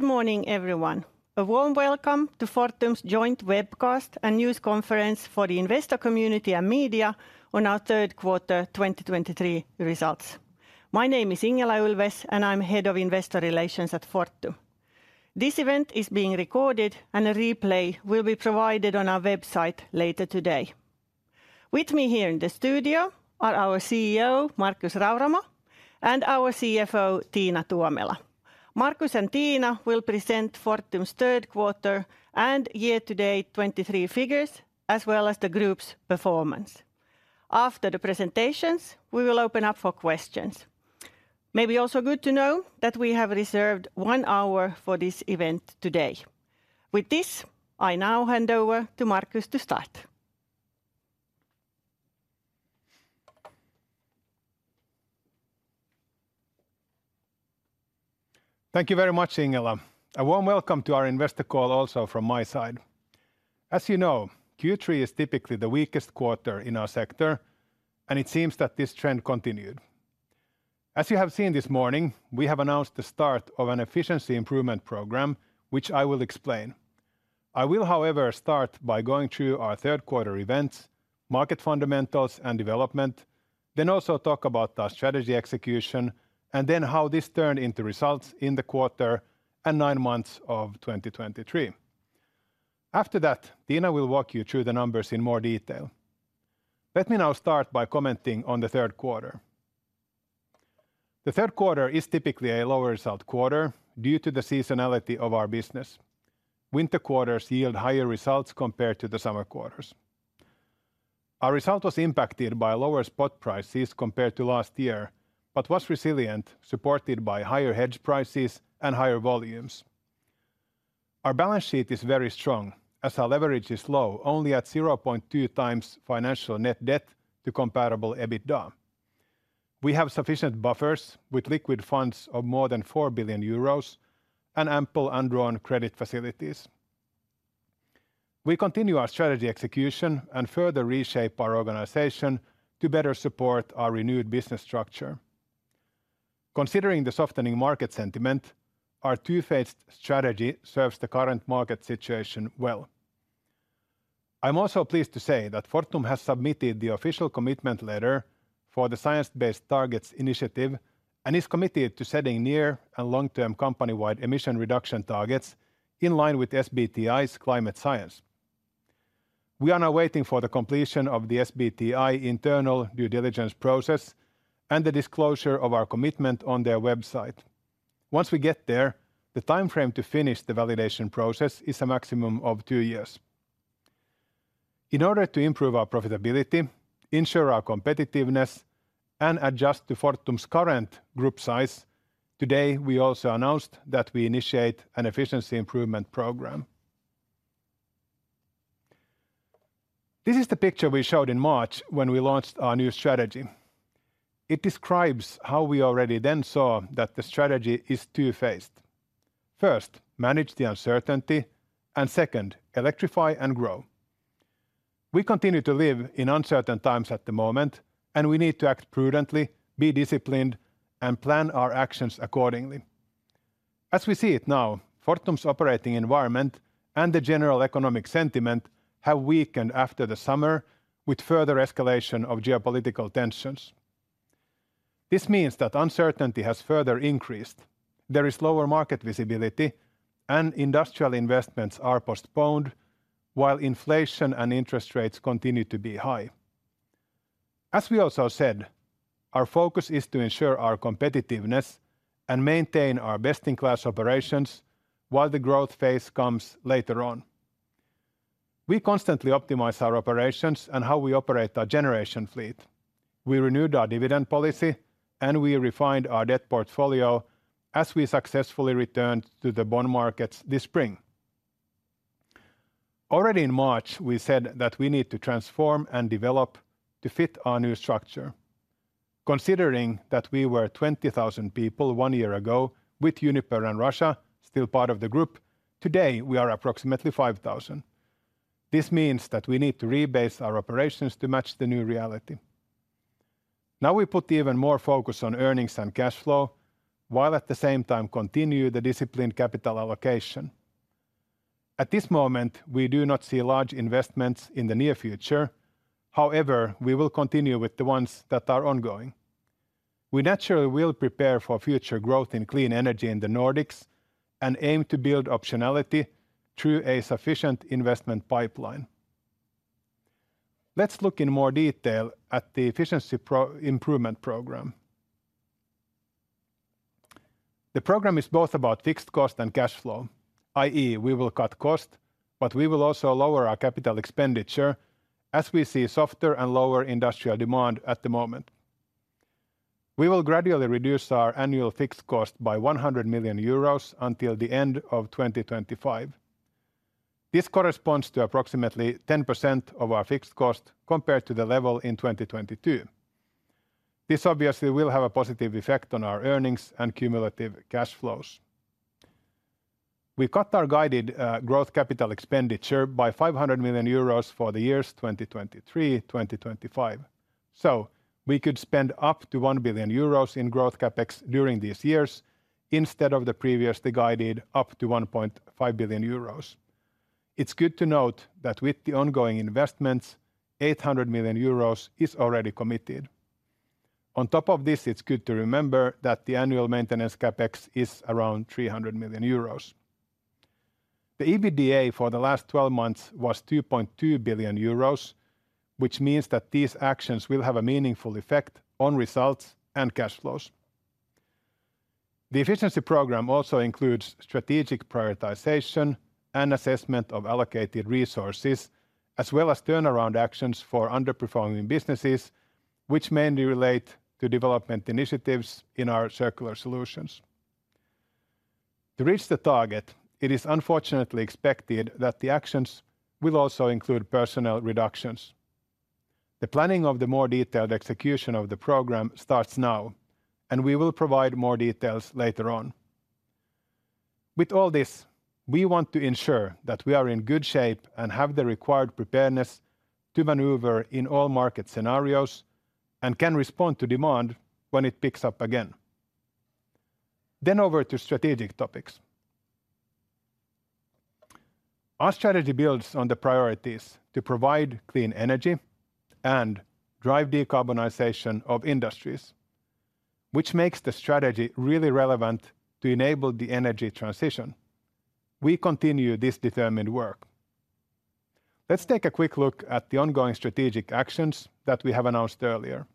Good morning, everyone. A warm welcome to Fortum's joint webcast and news conference for the investor community and media on our third quarter 2023 results. My name is Ingela Ulfves, and I'm Head of Investor Relations at Fortum. This event is being recorded, and a replay will be provided on our website later today. With me here in the studio are our CEO, Markus Rauramo, and our CFO, Tiina Tuomela. Markus and Tiina will present Fortum's third quarter and year-to-date 2023 figures, as well as the group's performance. After the presentations, we will open up for questions. Maybe also good to know that we have reserved one hour for this event today. With this, I now hand over to Markus to start. Thank you very much, Ingela. A warm welcome to our investor call also from my side. As you know, Q3 is typically the weakest quarter in our sector, and it seems that this trend continued. As you have seen this morning, we have announced the start of an efficiency improvement program, which I will explain. I will, however, start by going through our third quarter events, market fundamentals, and development, then also talk about our strategy execution, and then how this turned into results in the quarter and nine months of 2023. After that, Tiina will walk you through the numbers in more detail. Let me now start by commenting on the third quarter. The third quarter is typically a lower result quarter due to the seasonality of our business. Winter quarters yield higher results compared to the summer quarters. Our result was impacted by lower spot prices compared to last year, but was resilient, supported by higher hedge prices and higher volumes. Our balance sheet is very strong, as our leverage is low, only at 0.2 times financial net debt to Comparable EBITDA. We have sufficient buffers, with liquid funds of more than 4 billion euros and ample undrawn credit facilities. We continue our strategy execution and further reshape our organization to better support our renewed business structure. Considering the softening market sentiment, our two-faced strategy serves the current market situation well. I'm also pleased to say that Fortum has submitted the official commitment letter for the Science Based Targets initiative and is committed to setting near and long-term company-wide emission reduction targets in line with SBTi's climate science. We are now waiting for the completion of the SBTi internal due diligence process and the disclosure of our commitment on their website. Once we get there, the timeframe to finish the validation process is a maximum of two years. In order to improve our profitability, ensure our competitiveness, and adjust to Fortum's current group size, today we also announced that we initiate an efficiency improvement program. This is the picture we showed in March when we launched our new strategy. It describes how we already then saw that the strategy is two-faced. First, manage the uncertainty, and second, electrify and grow. We continue to live in uncertain times at the moment, and we need to act prudently, be disciplined, and plan our actions accordingly. As we see it now, Fortum's operating environment and the general economic sentiment have weakened after the summer, with further escalation of geopolitical tensions. This means that uncertainty has further increased. There is lower market visibility, and industrial investments are postponed, while inflation and interest rates continue to be high. As we also said, our focus is to ensure our competitiveness and maintain our best-in-class operations while the growth phase comes later on. We constantly optimize our operations and how we operate our Generation fleet. We renewed our dividend policy, and we refined our debt portfolio as we successfully returned to the bond markets this spring. Already in March, we said that we need to transform and develop to fit our new structure. Considering that we were 20,000 people one year ago, with Uniper and Russia still part of the group, today we are approximately 5,000. This means that we need to rebase our operations to match the new reality. Now, we put even more focus on earnings and cash flow, while at the same time continue the disciplined capital allocation. At this moment, we do not see large investments in the near future. However, we will continue with the ones that are ongoing. We naturally will prepare for future growth in clean energy in the Nordics and aim to build optionality through a sufficient investment pipeline. Let's look in more detail at the efficiency improvement program. The program is both about fixed cost and cash flow, i.e., we will cut cost, but we will also lower our capital expenditure as we see softer and lower industrial demand at the moment. We will gradually reduce our annual fixed cost by 100 million euros until the end of 2025. This corresponds to approximately 10% of our fixed cost compared to the level in 2022. This obviously will have a positive effect on our earnings and cumulative cash flows. We cut our guided growth capital expenditure by 500 million euros for the years 2023-2025. So, we could spend up to 1 billion euros in growth CapEx during these years, instead of the previously guided up to 1.5 billion euros. It's good to note that with the ongoing investments, 800 million euros is already committed. On top of this, it's good to remember that the annual maintenance CapEx is around 300 million euros. The EBITDA for the last twelve months was 2.2 billion euros, which means that these actions will have a meaningful effect on results and cash flows. The efficiency program also includes strategic prioritization and assessment of allocated resources, as well as turnaround actions for underperforming businesses, which mainly relate to development initiatives in our Circular Solutions. To reach the target, it is unfortunately expected that the actions will also include personnel reductions. The planning of the more detailed execution of the program starts now, and we will provide more details later on. With all this, we want to ensure that we are in good shape and have the required preparedness to maneuver in all market scenarios, and can respond to demand when it picks up again. Then over to strategic topics. Our strategy builds on the priorities to provide clean energy and drive decarbonization of industries, which makes the strategy really relevant to enable the energy transition. We continue this determined work. Let's take a quick look at the ongoing strategic actions that we have announced earlier.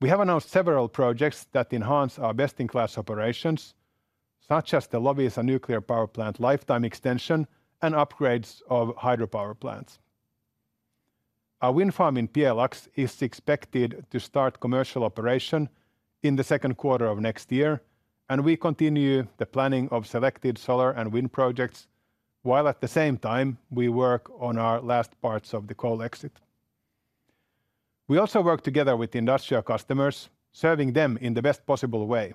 We have announced several projects that enhance our best-in-class operations, such as the Loviisa nuclear power plant lifetime extension and upgrades of hydropower plants. Our wind farm in Pjelax is expected to start commercial operation in the second quarter of next year, and we continue the planning of selected solar and wind projects, while at the same time, we work on our last parts of the coal exit. We also work together with industrial customers, serving them in the best possible way.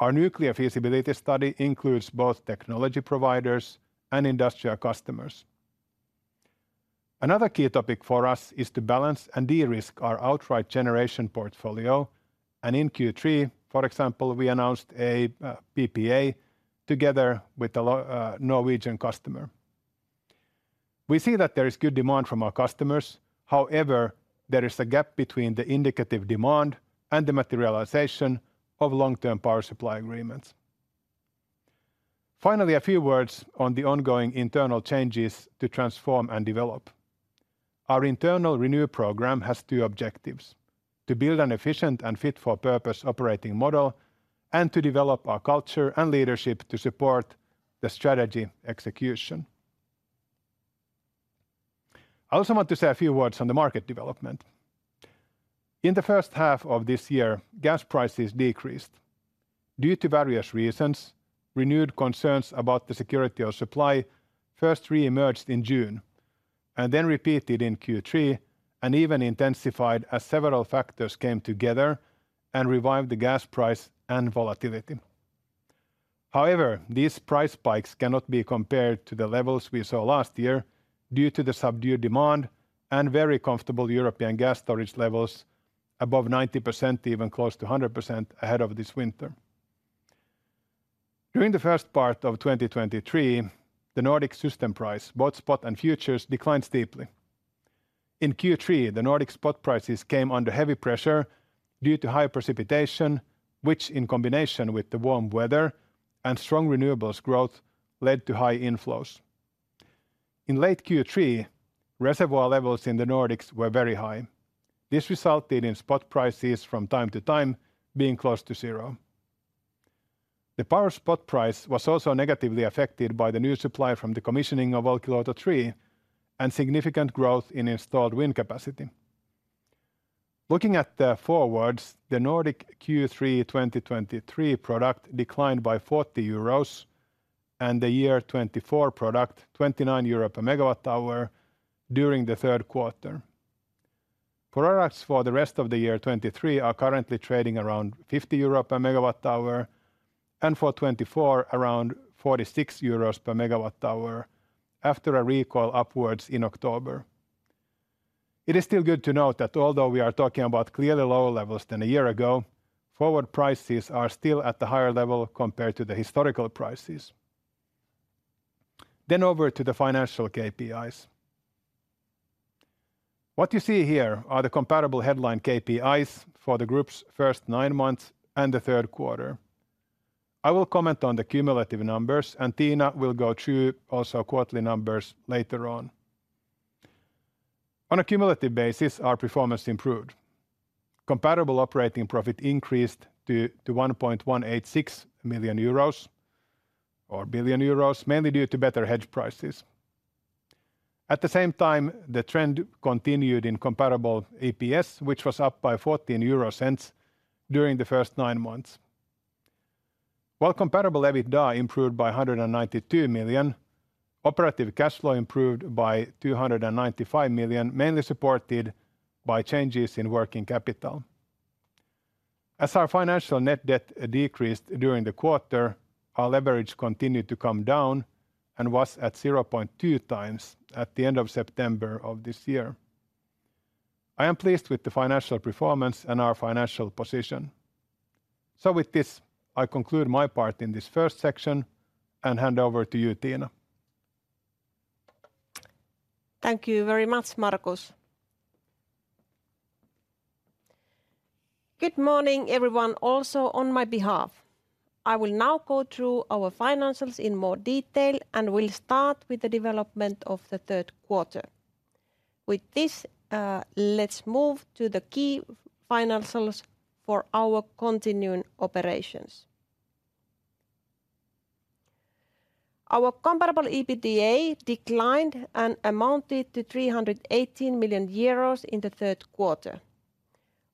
Our nuclear feasibility study includes both technology providers and industrial customers. Another key topic for us is to balance and de-risk our outright Generation portfolio, and in Q3, for example, we announced a PPA together with a Norwegian customer. We see that there is good demand from our customers. However, there is a gap between the indicative demand and the materialization of long-term power supply agreements. Finally, a few words on the ongoing internal changes to transform and develop. Our internal renew program has two objectives: to build an efficient and fit-for-purpose operating model, and to develop our culture and leadership to support the strategy execution. I also want to say a few words on the market development. In the first half of this year, gas prices decreased. Due to various reasons, renewed concerns about the security of supply first reemerged in June, and then repeated in Q3, and even intensified as several factors came together and revived the gas price and volatility. However, these price spikes cannot be compared to the levels we saw last year due to the subdued demand and very comfortable European gas storage levels above 90%, even close to 100%, ahead of this winter. During the first part of 2023, the Nordic system price, both spot and futures, declined steeply. In Q3, the Nordic spot prices came under heavy pressure due to high precipitation, which, in combination with the warm weather and strong renewables growth, led to high inflows. In late Q3, reservoir levels in the Nordics were very high. This resulted in spot prices from time to time being close to zero. The power spot price was also negatively affected by the new supply from the commissioning of Olkiluoto 3 and significant growth in installed wind capacity. Looking at the forwards, the Nordic Q3 2023 product declined by 40 euros, and the Year-24 product, 29 EUR/MWh, during the third quarter. Products for the rest of the year 2023 are currently trading around 50 euro/MWh, and for 2024, around 46 euros/MWh after a recall upwards in October. It is still good to note that although we are talking about clearly lower levels than a year ago, forward prices are still at the higher level compared to the historical prices. Then over to the financial KPIs. What you see here are the comparable headline KPIs for the group's first nine months and the third quarter. I will comment on the cumulative numbers, and Tiina will go through also quarterly numbers later on. On a cumulative basis, our performance improved. Comparable operating profit increased to 1.186 billion euros, mainly due to better hedge prices. At the same time, the trend continued in comparable EPS, which was up by 0.14 EUR during the first nine months. While Comparable EBITDA improved by 192 million, operative cash flow improved by 295 million, mainly supported by changes in working capital. As our financial net debt decreased during the quarter, our leverage continued to come down and was at 0.2x at the end of September of this year. I am pleased with the financial performance and our financial position. So with this, I conclude my part in this first section and hand over to you, Tiina. Thank you very much, Markus. Good morning, everyone, also on my behalf. I will now go through our financials in more detail, and we'll start with the development of the third quarter. With this, let's move to the key financials for our continuing operations. Our comparable EBITDA declined and amounted to 318 million euros in the third quarter.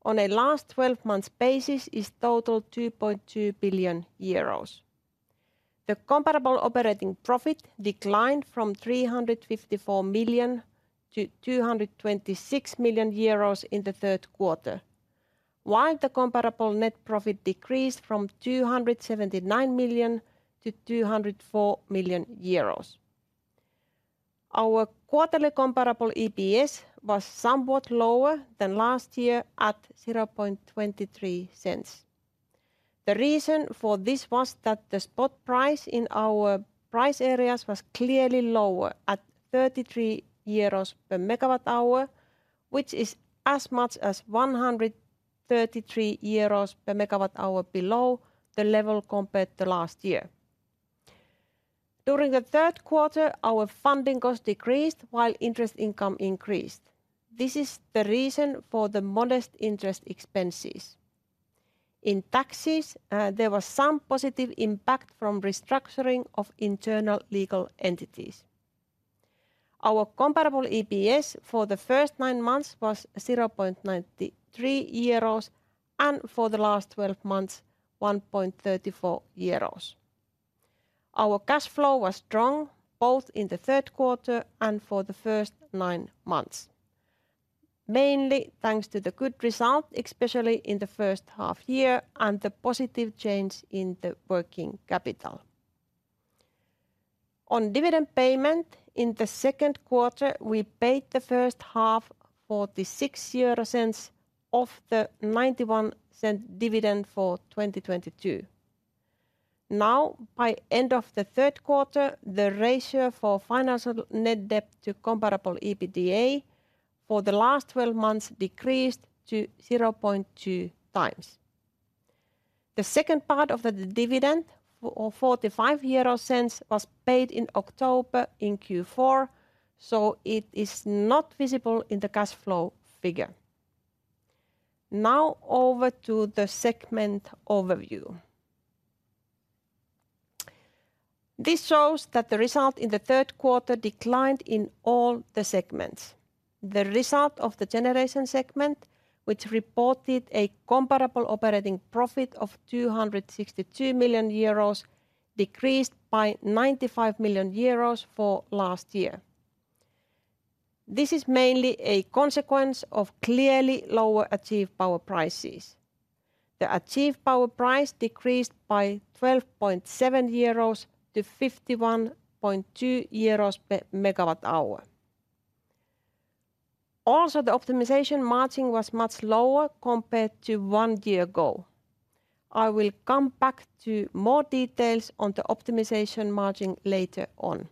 On a last twelve-month basis, it's total 2.2 billion euros. The comparable operating profit declined from 354 million to 226 million euros in the third quarter, while the comparable net profit decreased from 279 million to 204 million euros. Our quarterly comparable EPS was somewhat lower than last year at 0.23. The reason for this was that the spot price in our price areas was clearly lower at 33 euros per MWh, which is as much as 133 euros per MWh below the level compared to last year. During the third quarter, our funding cost decreased while interest income increased. This is the reason for the modest interest expenses. In taxes, there was some positive impact from restructuring of internal legal entities. Our comparable EPS for the first nine months was 0.93 euros, and for the last twelve months, 1.34 euros. Our cash flow was strong, both in the third quarter and for the first nine months, mainly thanks to the good result, especially in the first half year, and the positive change in the working capital. On dividend payment, in the second quarter, we paid the first half of the 0.06 of the 91-cent dividend for 2022. Now, by end of the third quarter, the ratio for Financial net debt to Comparable EBITDA for the last 12 months decreased to 0.2 times. The second part of the dividend, for EUR 0.45, was paid in October in Q4, so it is not visible in the cash flow figure. Now, over to the segment overview. This shows that the result in the third quarter declined in all the segments. The result of the Generation segment, which reported a Comparable operating profit of 262 million euros, decreased by 95 million euros for last year. This is mainly a consequence of clearly lower achieved power prices. The achieved power price decreased by 12.7 euros to 51.2 euros per MWh. Also, the optimization margin was much lower compared to one year ago. I will come back to more details on the optimization margin later on.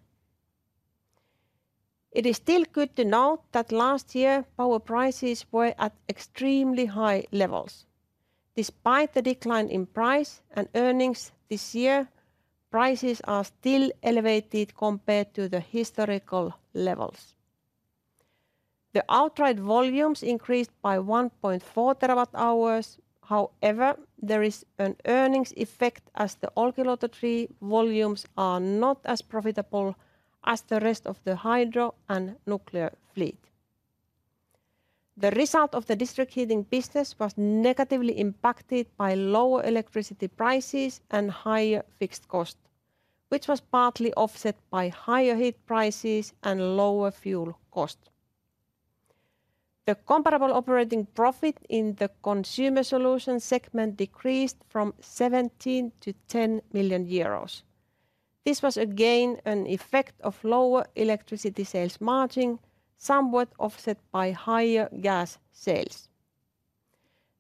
It is still good to note that last year, power prices were at extremely high levels. Despite the decline in price and earnings this year, prices are still elevated compared to the historical levels. The outright volumes increased by 1.4 TWh. However, there is an earnings effect as the Olkiluoto 3 volumes are not as profitable as the rest of the hydro and nuclear fleet. The result of the district heating business was negatively impacted by lower electricity prices and higher fixed cost, which was partly offset by higher heat prices and lower fuel cost. The comparable operating profit in the Consumer Solutions segment decreased from 17 million to 10 million euros. This was again an effect of lower electricity sales margin, somewhat offset by higher gas sales.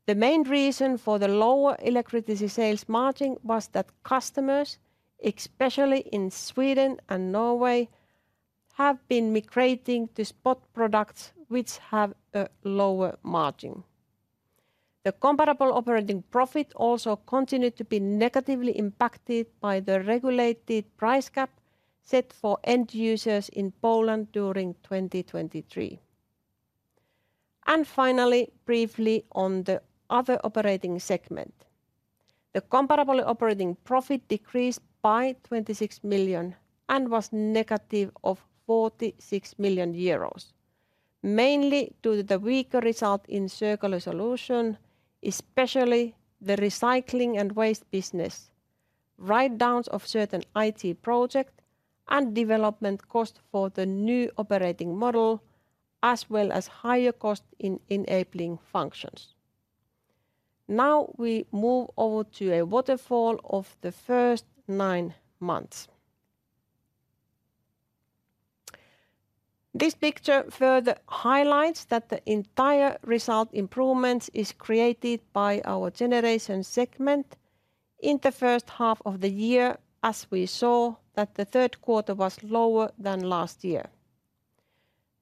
The main reason for the lower electricity sales margin was that customers, especially in Sweden and Norway, have been migrating to spot products which have a lower margin. The comparable operating profit also continued to be negatively impacted by the regulated price cap set for end users in Poland during 2023. And finally, briefly on the other operating segment. The comparable operating profit decreased by 26 million and was negative of 46 million euros, mainly due to the weaker result in Circular Solutions, especially the recycling and waste business, write-downs of certain IT project and development cost for the new operating model, as well as higher cost in enabling functions. Now, we move over to a waterfall of the first 9 months. This picture further highlights that the entire result improvements is created by our Generation segment in the first half of the year, as we saw that the third quarter was lower than last year.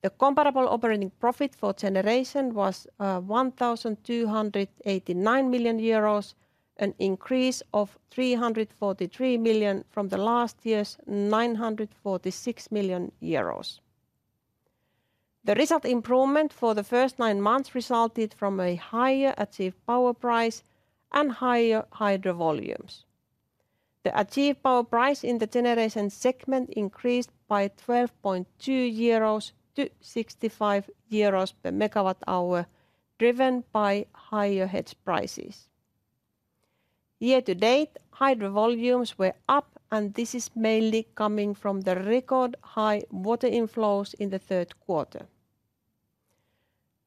The comparable operating profit for Generation was 1,289 million euros, an increase of 343 million from last year's 946 million euros. The result improvement for the first 9 months resulted from a higher achieved power price and higher hydro volumes. The achieved power price in the Generation segment increased by 12.2 euros to 65 euros per MWh, driven by higher hedge prices. Year-to-date, hydro volumes were up, and this is mainly coming from the record high water inflows in the third quarter.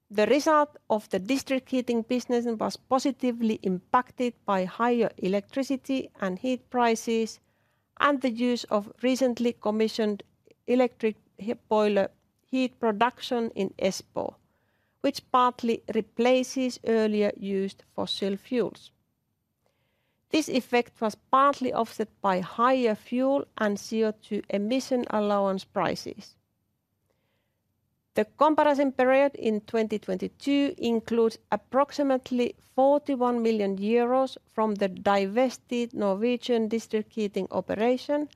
The result of the district heating business was positively impacted by higher electricity and heat prices, and the use of recently commissioned electric heat boiler heat production in Espoo, which partly replaces earlier used fossil fuels. This effect was partly offset by higher fuel and CO2 emission allowance prices. The comparison period in 2022 includes approximately 41 million euros from the divested Norwegian district heating operation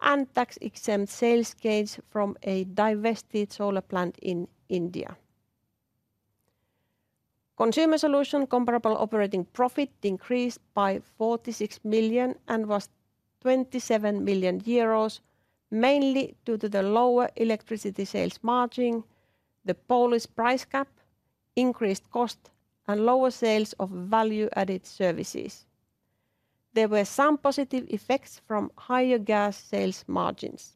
and tax-exempt sales gains from a divested solar plant in India. Consumer solution comparable operating profit increased by 46 million and was 27 million euros, mainly due to the lower electricity sales margin, the Polish price cap, increased cost, and lower sales of value-added services. There were some positive effects from higher gas sales margins.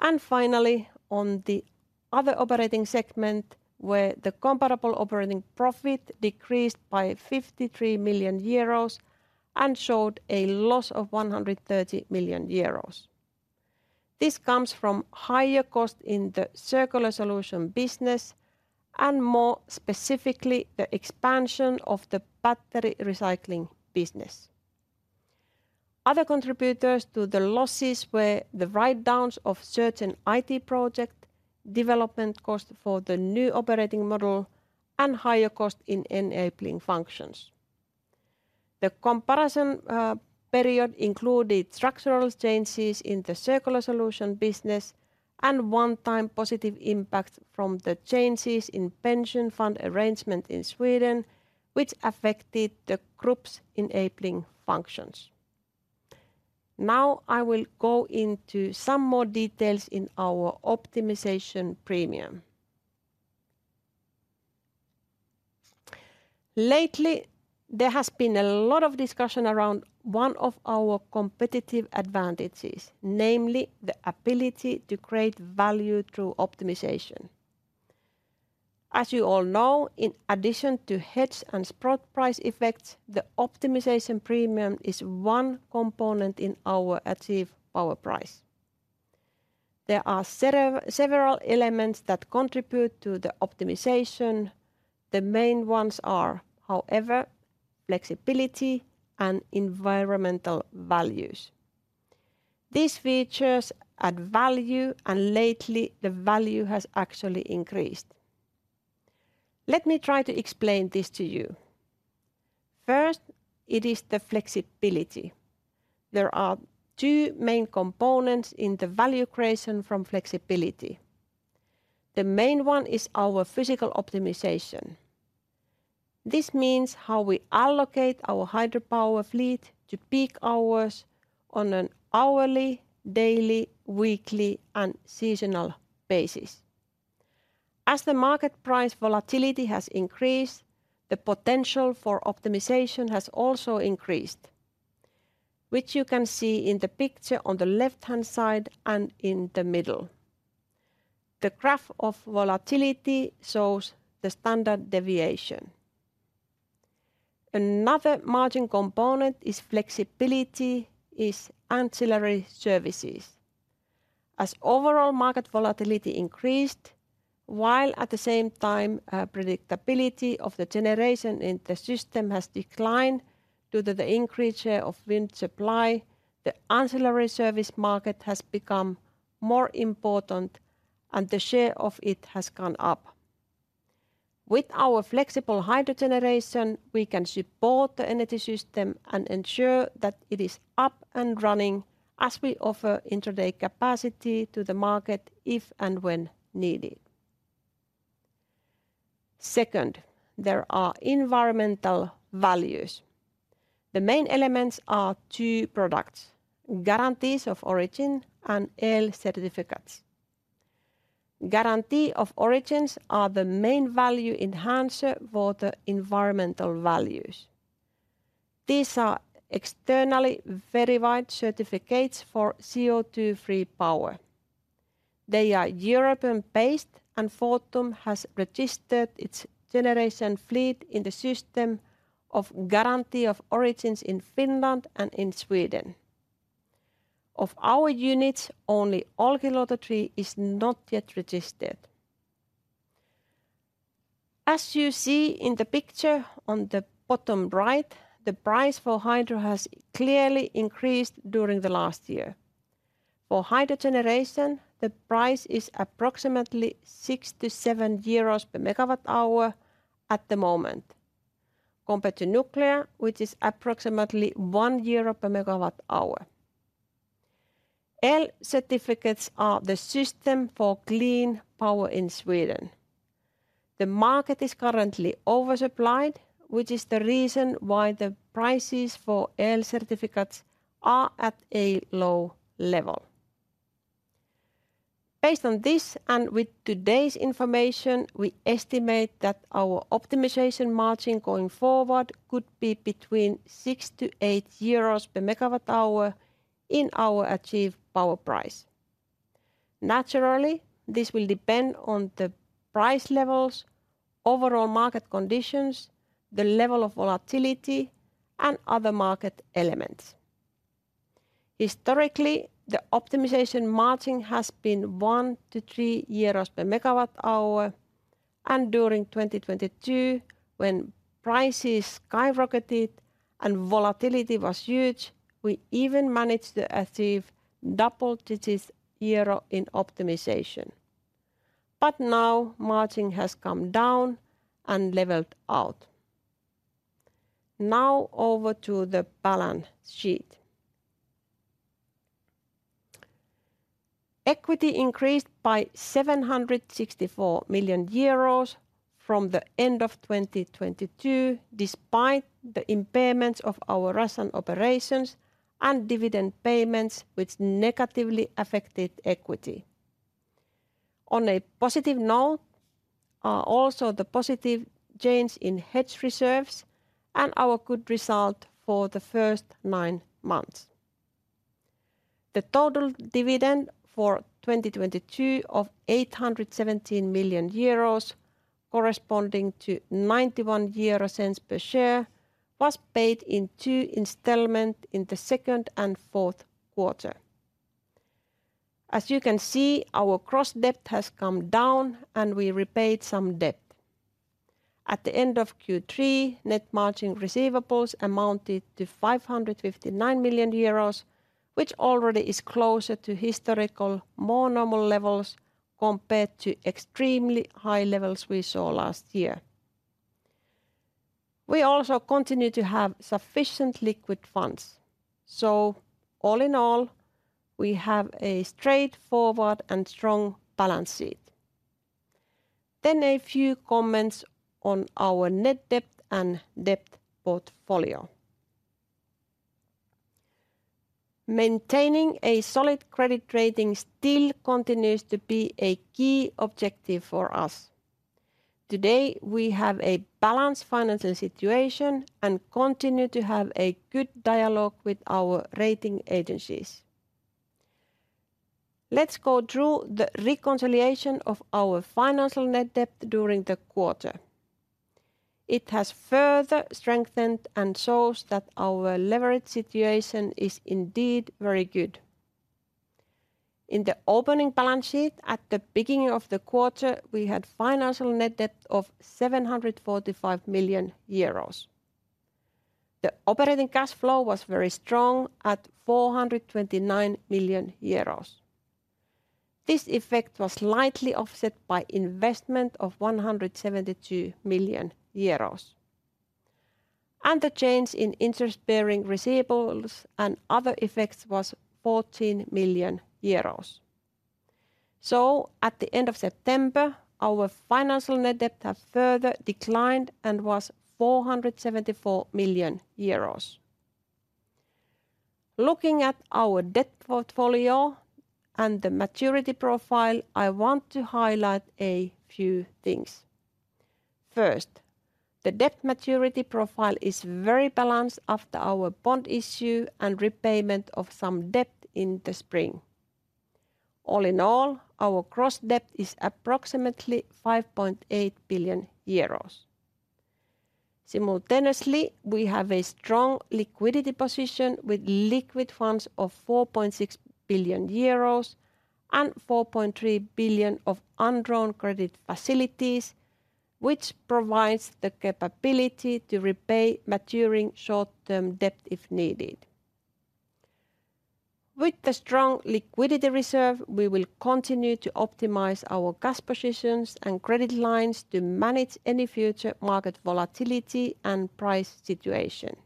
And finally, on the other operating segment, where the comparable operating profit decreased by 53 million euros and showed a loss of 130 million euros. This comes from higher cost in the circular solution business, and more specifically, the expansion of the battery recycling business. Other contributors to the losses were the write-downs of certain IT project, development cost for the new operating model, and higher cost in enabling functions. The comparison period included structural changes in the circular solution business and one-time positive impact from the changes in pension fund arrangement in Sweden, which affected the group's enabling functions. Now, I will go into some more details in our optimization premium. Lately, there has been a lot of discussion around one of our competitive advantages, namely, the ability to create value through optimization. As you all know, in addition to hedge and spot price effects, the optimization premium is one component in our achieved power price. There are several elements that contribute to the optimization. The main ones are, however, flexibility and environmental values. These features add value, and lately, the value has actually increased. Let me try to explain this to you. First, it is the flexibility. There are two main components in the value creation from flexibility. The main one is our physical optimization. This means how we allocate our hydropower fleet to peak hours on an hourly, daily, weekly, and seasonal basis. As the market price volatility has increased, the potential for optimization has also increased, which you can see in the picture on the left-hand side and in the middle. The graph of volatility shows the standard deviation. Another margin component is flexibility, is ancillary services. As overall market volatility increased, while at the same time, predictability of the Generation in the system has declined due to the increase of wind supply, the ancillary service market has become more important, and the share of it has gone up. With our flexible hydro Generation, we can support the energy system and ensure that it is up and running as we offer intraday capacity to the market if and when needed. Second, there are environmental values. The main elements are two products: Guarantees of Origin and El certificates.... Guarantees of Origin are the main value enhancer for the environmental values. These are externally verified certificates for CO₂-free power. They are European-based, and Fortum has registered its Generation fleet in the system of Guarantees of Origin in Finland and in Sweden. Of our units, only Olkiluoto 3 is not yet registered. As you see in the picture on the bottom right, the price for hydro has clearly increased during the last year. For hydro Generation, the price is approximately 67 euros per MWh at the moment, compared to nuclear, which is approximately 1 euro per MWh. El certificates are the system for clean power in Sweden. The market is currently oversupplied, which is the reason why the prices for El certificates are at a low level. Based on this, and with today's information, we estimate that our optimization margin going forward could be between 6-8 euros per MWh in our achieved power price. Naturally, this will depend on the price levels, overall market conditions, the level of volatility, and other market elements. Historically, the optimization margin has been 1-3 euros per megawatt hour, and during 2022, when prices skyrocketed and volatility was huge, we even managed to achieve double-digit EUR in optimization. But now, margin has come down and leveled out. Now, over to the balance sheet. Equity increased by 764 million euros from the end of 2022, despite the impairments of our Russian operations and dividend payments, which negatively affected equity. On a positive note, also the positive change in hedge reserves and our good result for the first 9 months. The total dividend for 2022 of 817 million euros, corresponding to 0.91 EUR per share, was paid in two installments in the second and fourth quarter. As you can see, our gross debt has come down, and we repaid some debt. At the end of Q3, net margin receivables amounted to 559 million euros, which already is closer to historical, more normal levels compared to extremely high levels we saw last year. We also continue to have sufficient liquid funds, so all in all, we have a straightforward and strong balance sheet. Then a few comments on our net debt and debt portfolio. Maintaining a solid credit rating still continues to be a key objective for us. Today, we have a balanced financial situation and continue to have a good dialogue with our rating agencies. Let's go through the reconciliation of our financial net debt during the quarter. It has further strengthened and shows that our leverage situation is indeed very good. In the opening balance sheet at the beginning of the quarter, we had financial net debt of 745 million euros. The operating cash flow was very strong at 429 million euros. This effect was slightly offset by investment of 172 million euros, and the change in interest-bearing receivables and other effects was 14 million euros. So at the end of September, our financial net debt had further declined and was 474 million euros. Looking at our debt portfolio and the maturity profile, I want to highlight a few things. First, the debt maturity profile is very balanced after our bond issue and repayment of some debt in the spring. All in all, our gross debt is approximately 5.8 billion euros. Simultaneously, we have a strong liquidity position with liquid funds of 4.6 billion euros and 4.3 billion of undrawn credit facilities, which provides the capability to repay maturing short-term debt if needed. With the strong liquidity reserve, we will continue to optimize our cash positions and credit lines to manage any future market volatility and price situation.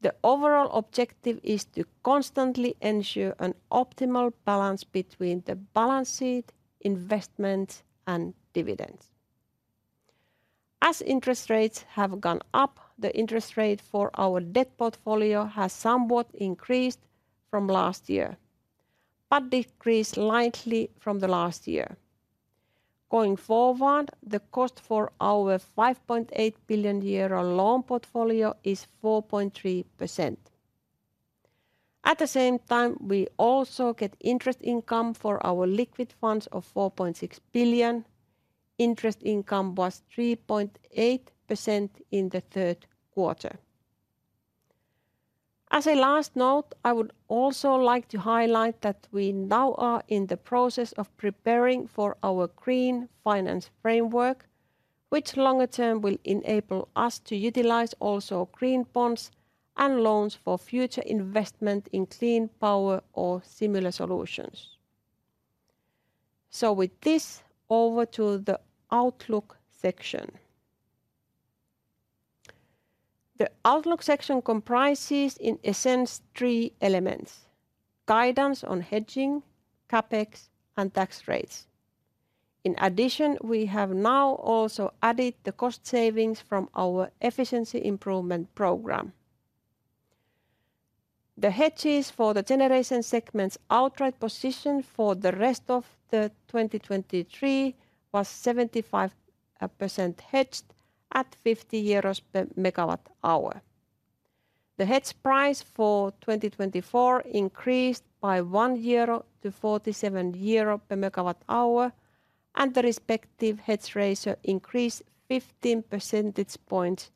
The overall objective is to constantly ensure an optimal balance between the balance sheet, investment, and dividends. As interest rates have gone up, the interest rate for our debt portfolio has somewhat increased from last year, but decreased lightly from the last year. Going forward, the cost for our 5.8 billion euro loan portfolio is 4.3%. At the same time, we also get interest income for our liquid funds of 4.6 billion. Interest income was 3.8% in the third quarter. As a last note, I would also like to highlight that we now are in the process of preparing for our Green Finance Framework, which longer term will enable us to utilize also green bonds and loans for future investment in clean power or similar solutions. With this, over to the outlook section. The outlook section comprises, in essence, three elements: guidance on hedging, CapEx, and tax rates. In addition, we have now also added the cost savings from our efficiency improvement program. The hedges for the Generation segment's outright position for the rest of 2023 was 75% hedged at 50 euros per MWh. The hedge price for 2024 increased by 1 euro to 47 euro per MWh, and the respective hedge ratio increased 15 percentage points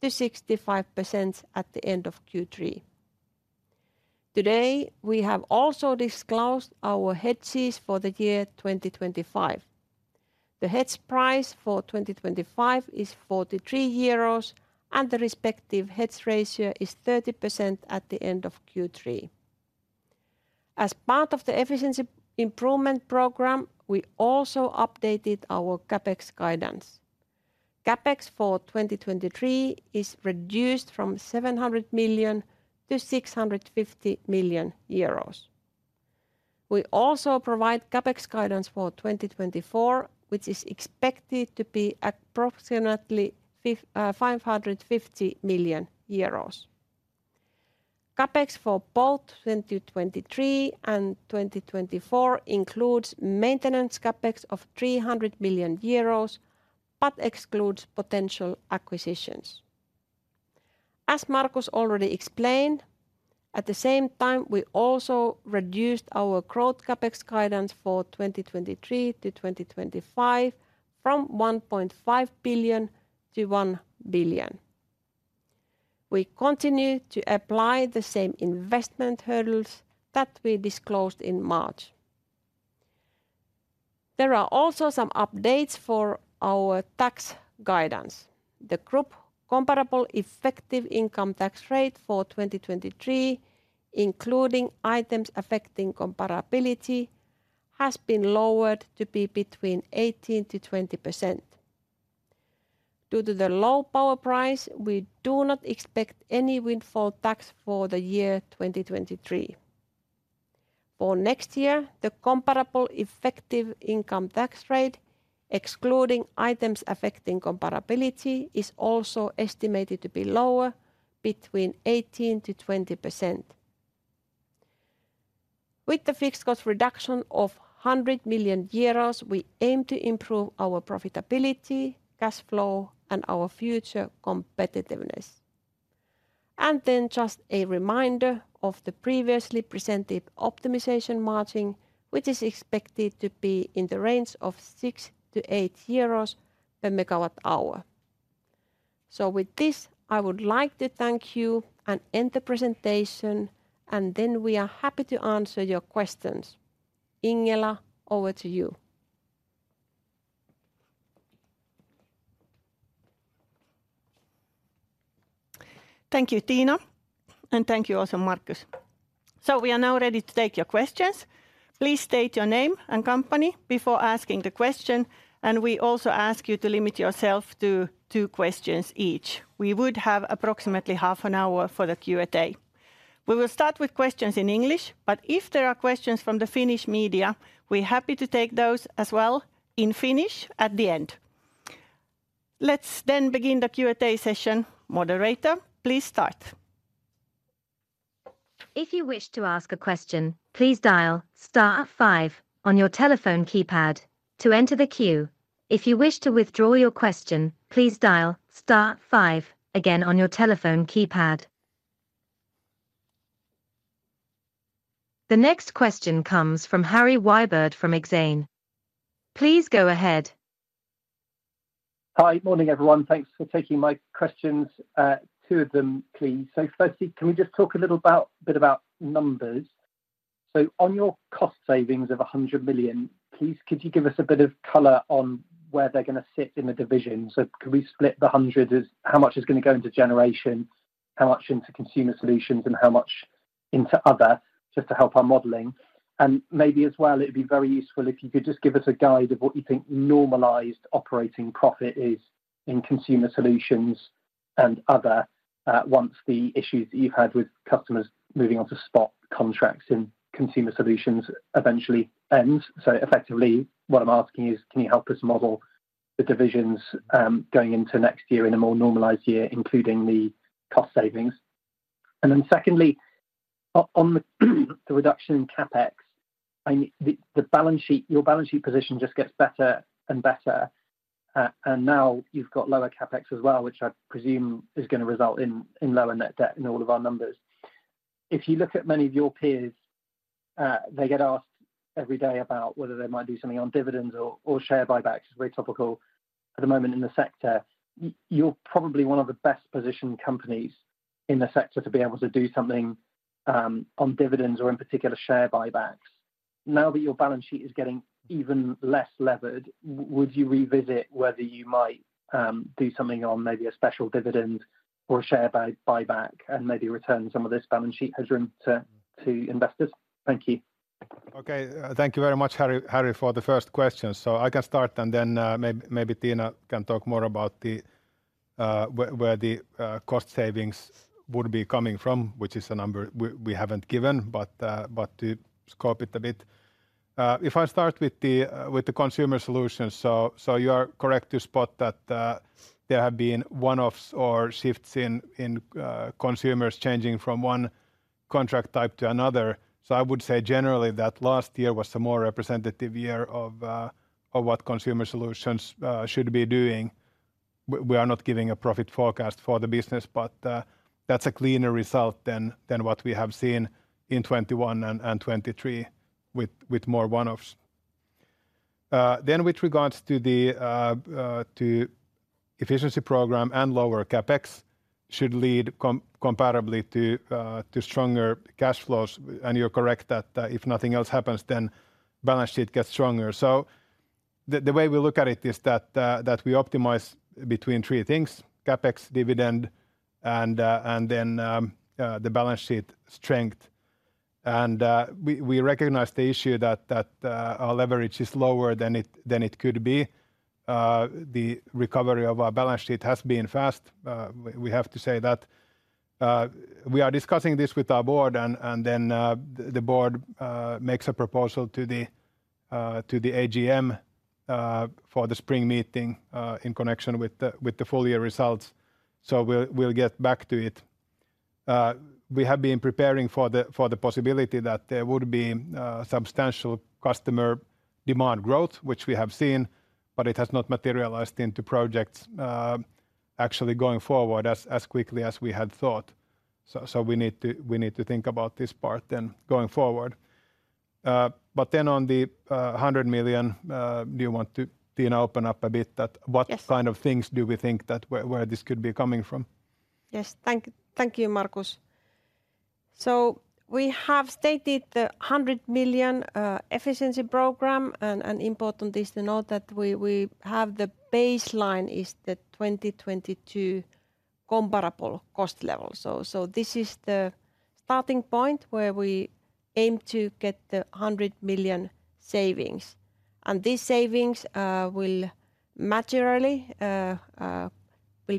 to 65% at the end of Q3. Today, we have also disclosed our hedges for the year 2025. The hedge price for 2025 is 43 euros, and the respective hedge ratio is 30% at the end of Q3. As part of the efficiency improvement program, we also updated our CapEx guidance. CapEx for 2023 is reduced from 700 million to 650 million euros. We also provide CapEx guidance for 2024, which is expected to be approximately five hundred fifty million euros. CapEx for both 2023 and 2024 includes maintenance CapEx of 300 million euros, but excludes potential acquisitions. As Markus already explained, at the same time, we also reduced our growth CapEx guidance for 2023 to 2025 from 1.5 billion to 1 billion. We continue to apply the same investment hurdles that we disclosed in March. There are also some updates for our tax guidance. The group comparable effective income tax rate for 2023, including items affecting comparability, has been lowered to be between 18%-20%. Due to the low power price, we do not expect any windfall tax for the year 2023. For next year, the comparable effective income tax rate, excluding items affecting comparability, is also estimated to be lower, between 18%-20%. With the fixed cost reduction of 100 million euros, we aim to improve our profitability, cash flow, and our future competitiveness. And then just a reminder of the previously presented optimization margin, which is expected to be in the range of 6-8 euros per megawatt hour. So with this, I would like to thank you and end the presentation, and then we are happy to answer your questions. Ingela, over to you. Thank you, Tiina, and thank you also, Markus. So we are now ready to take your questions. Please state your name and company before asking the question, and we also ask you to limit yourself to two questions each. We would have approximately half an hour for the Q&A. We will start with questions in English, but if there are questions from the Finnish media, we're happy to take those as well in Finnish at the end. Let's then begin the Q&A session. Moderator, please start. If you wish to ask a question, please dial star five on your telephone keypad to enter the queue. If you wish to withdraw your question, please dial star five again on your telephone keypad. The next question comes from Harry Wyburd from Exane. Please go ahead. Hi. Morning, everyone. Thanks for taking my questions. Two of them, please. So firstly, can we just talk a little bit about numbers? So on your cost savings of 100 million, please, could you give us a bit of color on where they're gonna sit in the division? So can we split the 100 as how much is gonna go into Generation, how much into Consumer Solutions, and how much into other, just to help our modeling? And maybe as well, it'd be very useful if you could just give us a guide of what you think normalized operating profit is in Consumer Solutions and other, once the issues that you've had with customers moving on to spot contracts in Consumer Solutions eventually end. So effectively, what I'm asking is, can you help us model the divisions, going into next year in a more normalized year, including the cost savings? And then secondly, on the reduction in CapEx, I mean, the balance sheet, your balance sheet position just gets better and better. And now you've got lower CapEx as well, which I presume is gonna result in lower net debt in all of our numbers. If you look at many of your peers, they get asked every day about whether they might do something on dividends or share buybacks. It's very topical at the moment in the sector. You're probably one of the best-positioned companies in the sector to be able to do something on dividends or, in particular, share buybacks. Now that your balance sheet is getting even less levered, would you revisit whether you might do something on maybe a special dividend or a share buyback, and maybe return some of this balance sheet headroom to investors? Thank you. Okay. Thank you very much, Harry, for the first question. So I can start, and then maybe Tiina can talk more about the where the cost savings would be coming from, which is a number we haven't given, but to scope it a bit. If I start with the Consumer Solutions, so you are correct to spot that there have been one-offs or shifts in consumers changing from one contract type to another. So I would say generally that last year was a more representative year of what Consumer Solutions should be doing. We are not giving a profit forecast for the business, but that's a cleaner result than what we have seen in 2021 and 2023 with more one-offs. Then with regards to the efficiency program and lower CapEx should lead comparably to stronger cash flows. And you're correct that, if nothing else happens, then balance sheet gets stronger. So the way we look at it is that we optimize between three things: CapEx, dividend, and the balance sheet strength. And we recognize the issue that our leverage is lower than it could be. The recovery of our balance sheet has been fast, we have to say that. We are discussing this with our board, and then the board makes a proposal to the AGM for the spring meeting in connection with the full year results, so we'll get back to it. We have been preparing for the possibility that there would be substantial customer demand growth, which we have seen, but it has not materialized into projects, actually going forward as quickly as we had thought. So we need to think about this part then going forward. But then on the 100 million, do you want to, Tiina, open up a bit that- Yes. What kind of things do we think that where this could be coming from? Yes. Thank you, Markus. So we have stated the 100 million efficiency program, and important is to note that we have the baseline is the 2022 comparable cost level. So this is the starting point where we aim to get the 100 million savings, and these savings will majorly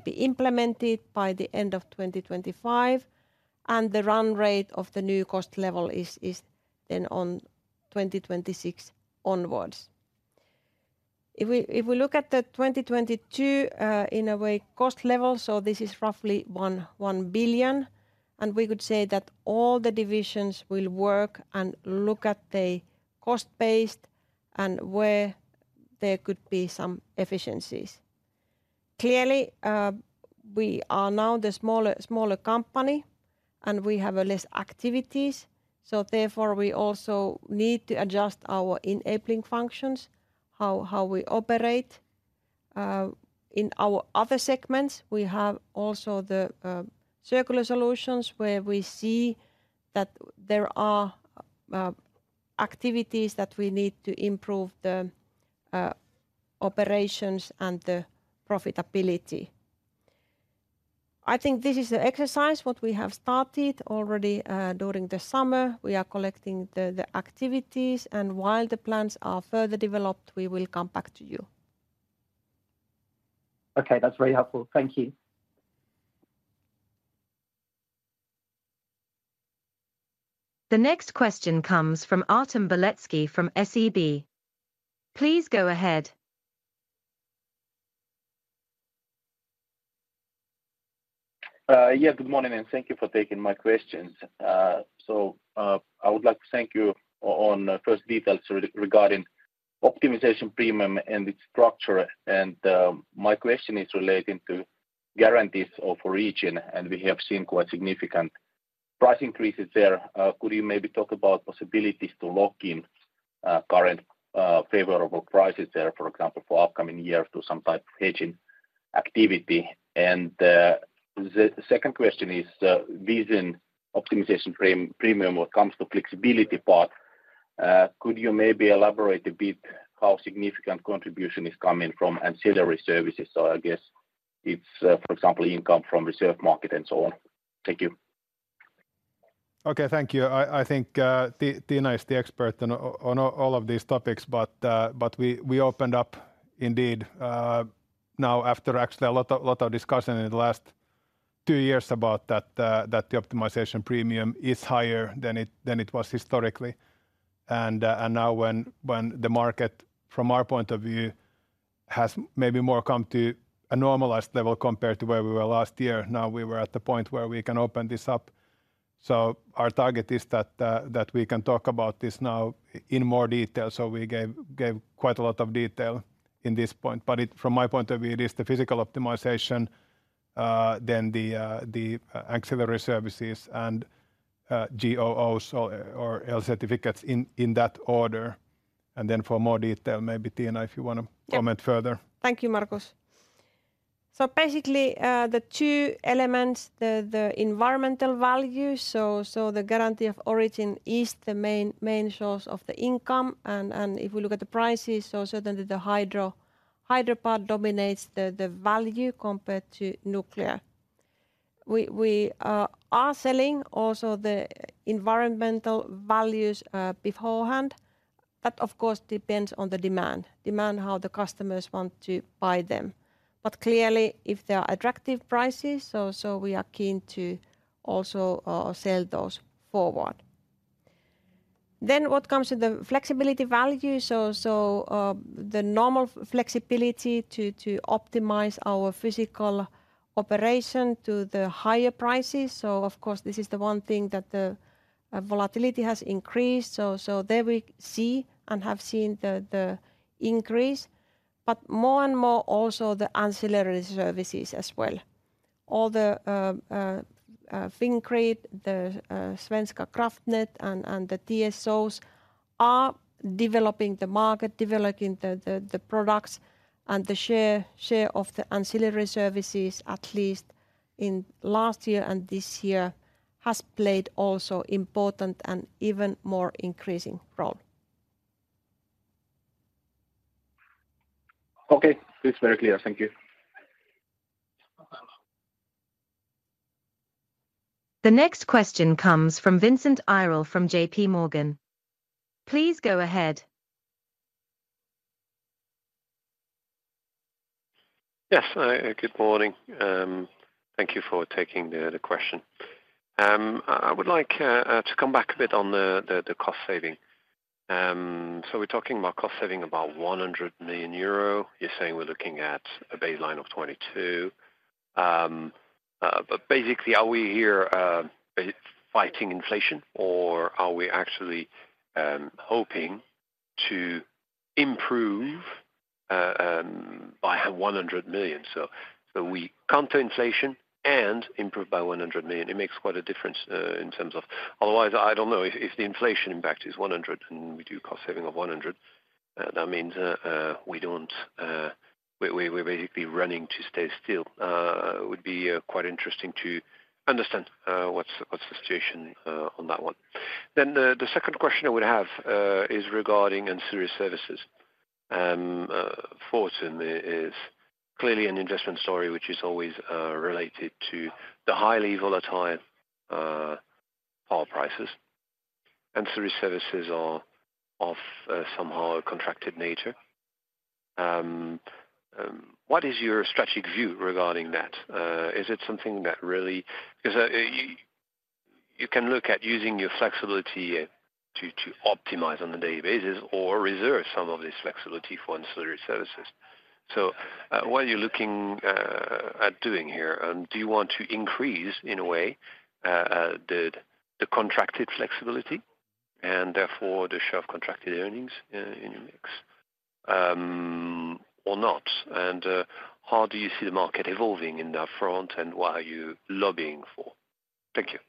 be implemented by the end of 2025, and the run rate of the new cost level is then on 2026 onwards. If we look at the 2022 in a way cost level, so this is roughly 1 billion, and we could say that all the divisions will work and look at the cost base and where there could be some efficiencies. Clearly, we are now the smaller company, and we have less activities, so therefore, we also need to adjust our enabling functions, how we operate. In our other segments, we have also the Circular Solutions, where we see that there are activities that we need to improve the operations and the profitability. I think this is the exercise what we have started already during the summer. We are collecting the activities, and while the plans are further developed, we will come back to you. Okay, that's very helpful. Thank you. The next question comes from Artem Beletski from SEB. Please go ahead. Yeah, good morning, and thank you for taking my questions. So, I would like to thank you on first details regarding optimization premium and its structure, and my question is relating to Guarantees of Origin, and we have seen quite significant price increases there. Could you maybe talk about possibilities to lock in current favorable prices there, for example, for upcoming years, to some type of hedging activity? And the second question is, within optimization premium, when it comes to flexibility part, could you maybe elaborate a bit how significant contribution is coming from ancillary services? So I guess it's, for example, income from reserve market and so on. Thank you.... Okay, thank you. I think Tiina is the expert on all of these topics, but we opened up indeed now after actually a lot of discussion in the last two years about that the optimization premium is higher than it was historically. And now when the market, from our point of view, has maybe more come to a normalized level compared to where we were last year, now we were at the point where we can open this up. So our target is that we can talk about this now in more detail. So we gave quite a lot of detail in this point. But from my point of view, it is the physical optimization, then the ancillary services and GOOs or El certificates in that order. And then for more detail, maybe Tiina, if you wanna- Yeah. -comment further. Thank you, Markus. So basically, the two elements, the environmental value, so the Guarantee of Origin is the main source of the income. And if we look at the prices, also then the hydro part dominates the value compared to nuclear. We are selling also the environmental values beforehand. That, of course, depends on the demand. Demand, how the customers want to buy them. But clearly, if there are attractive prices, so we are keen to also sell those forward. Then what comes to the flexibility value? So the normal flexibility to optimize our physical operation to the higher prices. So of course, this is the one thing that the volatility has increased. So there we see and have seen the increase, but more and more also the ancillary services as well. All the Fingrid, the Svenska kraftnät and the TSOs are developing the market, developing the products and the share of the ancillary services, at least in last year and this year, has played also important and even more increasing role. Okay, it's very clear. Thank you. The next question comes from Vincent Ayral from J.P. Morgan. Please go ahead. Yes, good morning. Thank you for taking the question. I would like to come back a bit on the cost saving. We're talking about cost saving of 100 million euro. You're saying we're looking at a baseline of 2022. Basically, are we here fighting inflation, or are we actually hoping to improve by 100 million? We counter inflation and improve by 100 million. It makes quite a difference in terms of... Otherwise, I don't know if the inflation impact is 100 million and we do cost saving of 100 million, that means we don't, we're basically running to stay still. It would be quite interesting to understand what's the situation on that one. Then the second question I would have is regarding ancillary services. Fortum is clearly an investment story, which is always related to the highly volatile power prices. Ancillary services are of somehow a contracted nature. What is your strategic view regarding that? Is it something that really, because you can look at using your flexibility to optimize on a daily basis or reserve some of this flexibility for ancillary services. So, what are you looking at doing here? Do you want to increase, in a way, the contracted flexibility and therefore the share of contracted earnings in your mix, or not? And, how do you see the market evolving in that front, and what are you lobbying for? Thank you.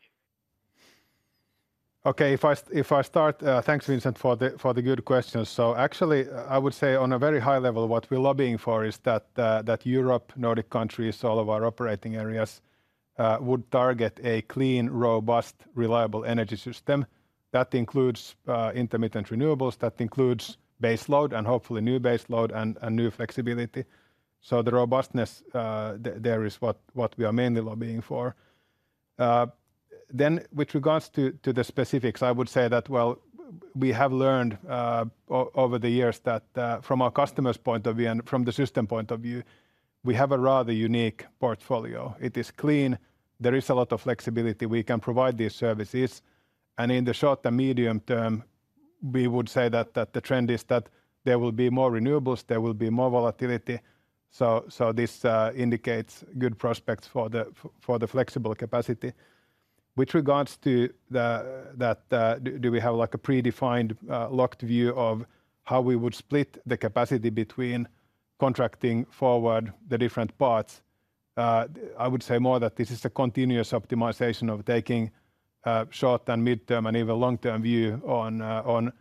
Okay. If I start, thanks, Vincent, for the, for the good questions. So actually, I would say on a very high level, what we're lobbying for is that that Europe, Nordic countries, all of our operating areas would target a clean, robust, reliable energy system. That includes intermittent renewables, that includes base load and hopefully new base load and new flexibility. So the robustness there is what we are mainly lobbying for. Then with regards to the specifics, I would say that, well, we have learned over the years that from our customer's point of view and from the system point of view, we have a rather unique portfolio. It is clean, there is a lot of flexibility. We can provide these services, and in the short and medium term, we would say that the trend is that there will be more renewables, there will be more volatility. So this indicates good prospects for the flexible capacity. With regards to that, do we have, like, a predefined, locked view of how we would split the capacity between contracting forward the different parts? I would say more that this is a continuous optimization of taking short and mid-term, and even long-term view on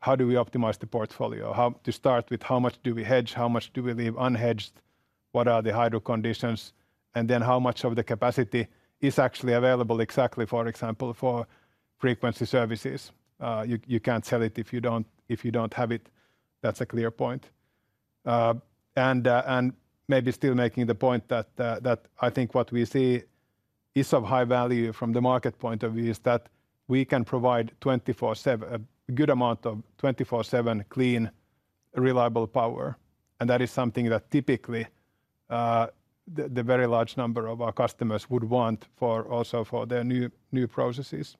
how do we optimize the portfolio? To start with, how much do we hedge, how much do we leave unhedged, what are the hydro conditions, and then how much of the capacity is actually available exactly, for example, for frequency services? You can't sell it if you don't have it. That's a clear point. And maybe still making the point that I think what we see is of high value from the market point of view is that we can provide 24/7, a good amount of 24/7 clean, reliable power. And that is something that typically the very large number of our customers would want for also for their new processes.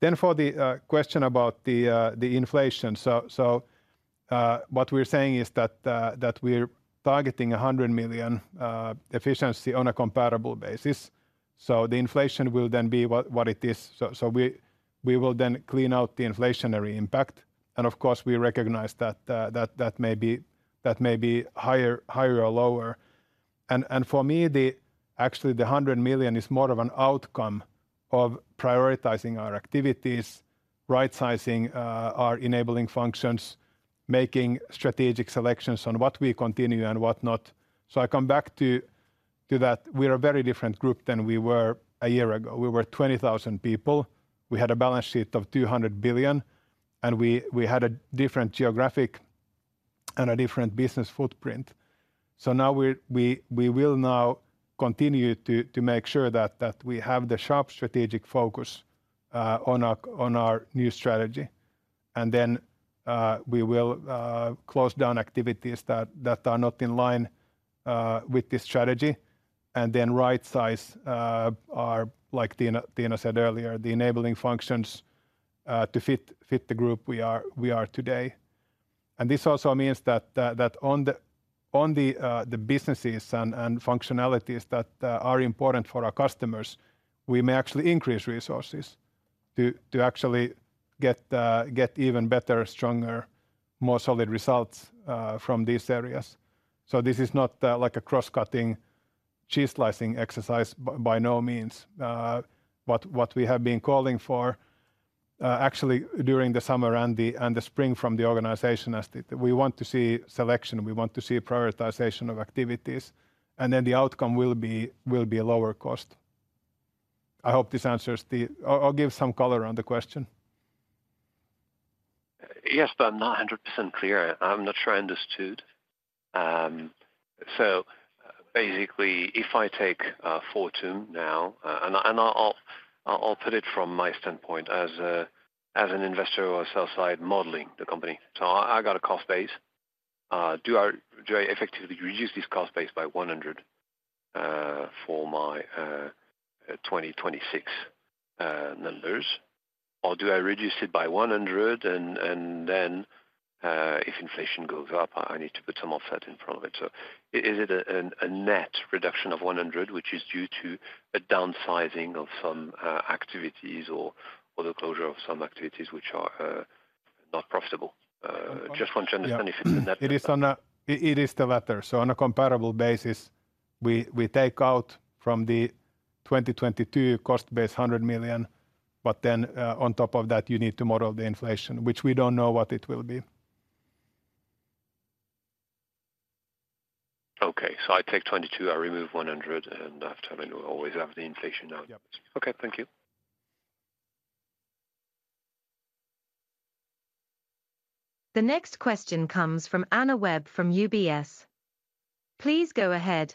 Then for the question about the inflation. So, what we're saying is that we're targeting 100 million efficiency on a comparable basis, so the inflation will then be what it is. So we will then clean out the inflationary impact, and of course, we recognize that that may be higher or lower. And for me, actually, the 100 million is more of an outcome of prioritizing our activities, rightsizing our enabling functions, making strategic selections on what we continue and whatnot. So I come back to that we are a very different group than we were a year ago. We were 20,000 people. We had a balance sheet of 200 billion, and we had a different geographic and a different business footprint. So now we will continue to make sure that we have the sharp strategic focus on our new strategy. And then we will close down activities that are not in line with this strategy, and then rightsize our, like Tiina said earlier, the enabling functions to fit the group we are today. And this also means that on the businesses and functionalities that are important for our customers, we may actually increase resources to actually get even better, stronger, more solid results from these areas. So this is not like a cross-cutting, cheese slicing exercise, by no means. What we have been calling for actually during the summer and the spring from the organization as to... We want to see selection, we want to see prioritization of activities, and then the outcome will be lower cost. I hope this answers the... or give some color on the question. Yes, but I'm not 100% clear. I'm not sure I understood. So basically, if I take Fortum now, and I put it from my standpoint as an investor or a sell side, modeling the company. So I got a cost base. Do I effectively reduce this cost base by 100 for my 2026 numbers? Or do I reduce it by 100, and then, if inflation goes up, I need to put some offset in front of it. So is it a net reduction of 100, which is due to a downsizing of some activities or the closure of some activities which are not profitable? Just want to understand if it's a net- It is the latter. So on a comparable basis, we take out from the 2022 cost base 100 million, but then on top of that, you need to model the inflation, which we don't know what it will be. Okay. So I take 22, I remove 100, and after then we always have the inflation now. Yep. Okay, thank you. The next question comes from Anna Webb, from UBS. Please go ahead.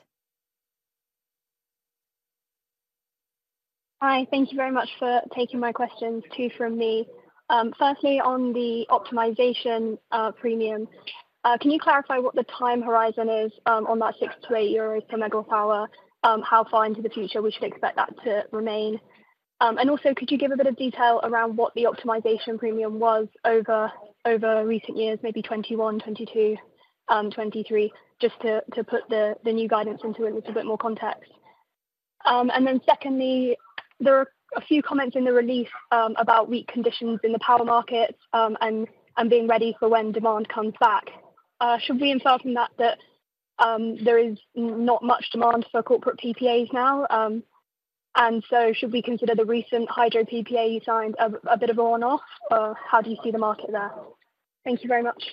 Hi, thank you very much for taking my questions, two from me. Firstly, on the optimization premium, can you clarify what the time horizon is, on that 6-8 euros per megawatt hour? How far into the future we should expect that to remain? And also, could you give a bit of detail around what the optimization premium was over recent years, maybe 2021, 2022, 2023, just to put the new guidance into a little bit more context. And then secondly, there are a few comments in the release, about weak conditions in the power markets, and being ready for when demand comes back. Should we infer from that, that there is not much demand for corporate PPAs now? So should we consider the recent hydro PPA you signed a bit of an outlier, or how do you see the market there? Thank you very much.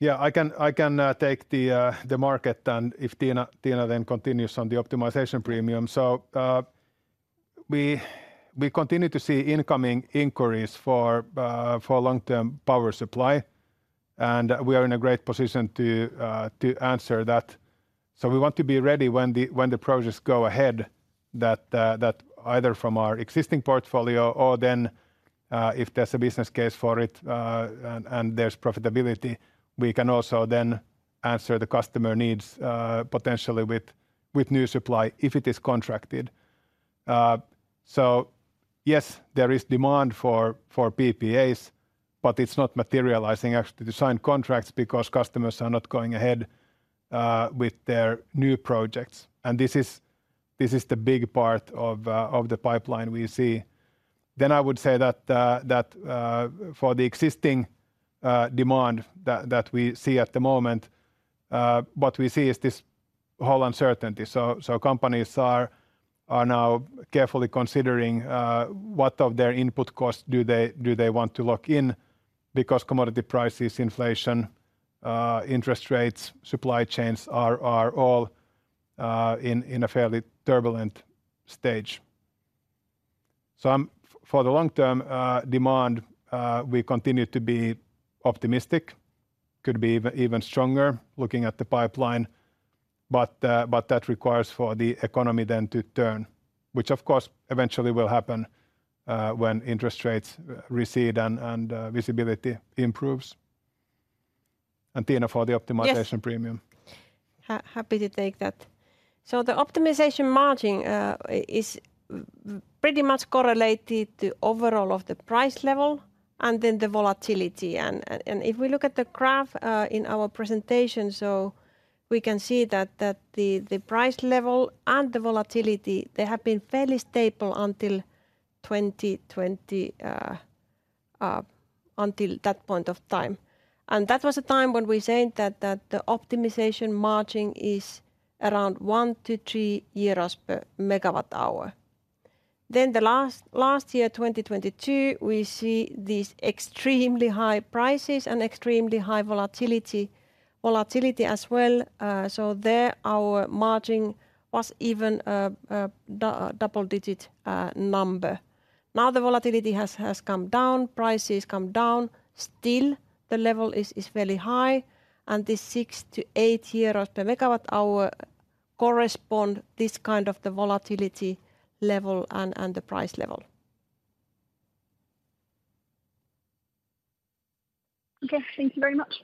Yeah, I can, I can take the, the market and if Tiina, Tiina then continues on the optimization premium. So, we, we continue to see incoming inquiries for, for long-term power supply, and we are in a great position to, to answer that. So we want to be ready when the, when the projects go ahead, that, that either from our existing portfolio or then, if there's a business case for it, and, and there's profitability, we can also then answer the customer needs, potentially with, with new supply, if it is contracted. So yes, there is demand for, for PPAs, but it's not materializing actually to sign contracts because customers are not going ahead, with their new projects. And this is, this is the big part of, of the pipeline we see. Then I would say that for the existing demand that we see at the moment, what we see is this whole uncertainty. So companies are now carefully considering what of their input costs do they want to lock in? Because commodity prices, inflation, interest rates, supply chains are all in a fairly turbulent stage. So for the long term demand we continue to be optimistic. Could be even stronger, looking at the pipeline, but that requires for the economy then to turn, which of course, eventually will happen when interest rates recede and visibility improves. And Tiina for the optimization- Yes. -premium. Happy to take that. So the optimization margin is pretty much correlated to overall of the price level and then the volatility. And if we look at the graph in our presentation, we can see that the price level and the volatility, they have been fairly stable until 2020 until that point of time. And that was a time when we saying that the optimization margin is around 1-3 euros per MWh. Then the last year, 2022, we see these extremely high prices and extremely high volatility as well. So there, our margin was even a double-digit number. Now the volatility has come down, prices come down. Still, the level is fairly high, and this 6-8 euros per MWh correspond this kind of the volatility level and the price level. Okay, thank you very much.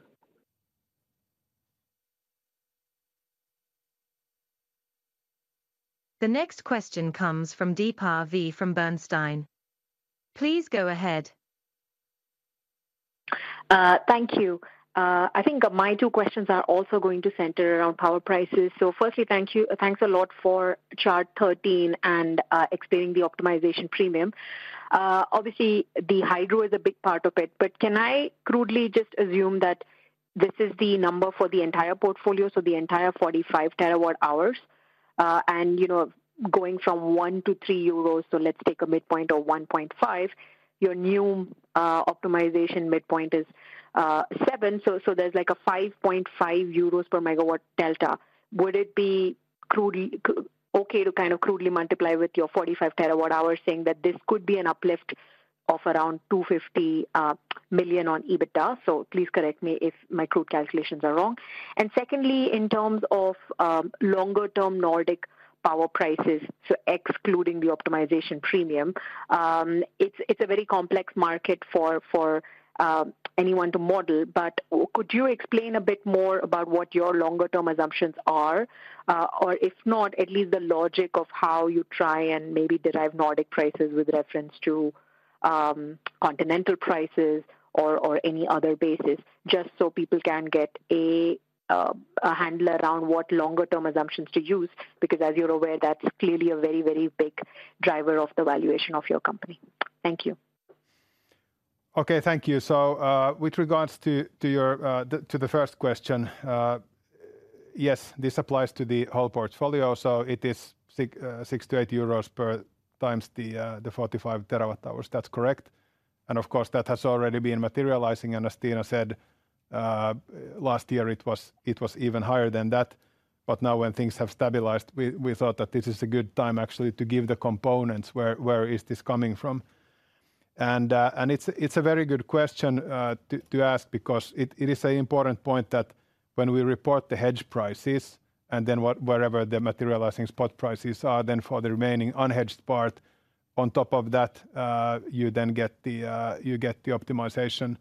The next question comes from Deepa V from Bernstein. Please go ahead. Thank you. I think my two questions are also going to center around power prices. So firstly, thank you, thanks a lot for chart 13 and explaining the optimization premium. Obviously, the hydro is a big part of it, but can I crudely just assume that this is the number for the entire portfolio, so the entire 45 TWh? And, you know, going from 1-3 euros, so let's take a midpoint of 1.5. Your new optimization midpoint is 7, so there's like a 5.5 euros per MW delta. Would it be crudely okay to kind of crudely multiply with your 45 TWh, saying that this could be an uplift of around 250 million on EBITDA? So please correct me if my crude calculations are wrong. And secondly, in terms of longer term Nordic power prices, so excluding the optimization premium, it's a very complex market for anyone to model, but could you explain a bit more about what your longer term assumptions are? Or if not, at least the logic of how you try and maybe derive Nordic prices with reference to continental prices or any other basis, just so people can get a handle around what longer term assumptions to use, because as you're aware, that's clearly a very big driver of the valuation of your company. Thank you. Okay, thank you. So, with regards to your first question, yes, this applies to the whole portfolio, so it is 6-8 euros per times the 45 TWh. That's correct. And of course, that has already been materializing, and as Tiina said, last year, it was even higher than that. But now when things have stabilized, we thought that this is a good time actually to give the components where this is coming from. And it's a very good question to ask because it is an important point that when we report the hedge prices and then wherever the materializing spot prices are, then for the remaining unhedged part, on top of that, you then get the optimization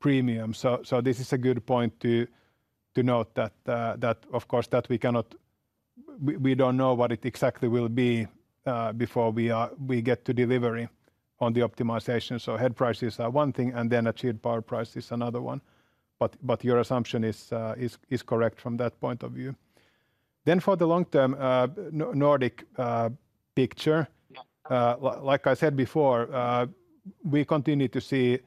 premium. So this is a good point to note that of course we cannot—we don't know what it exactly will be before we get to delivery on the optimization. So hedge prices are one thing, and then achieved power price is another one. But your assumption is correct from that point of view. Then for the long term, Nordic picture, like I said before, we continue to see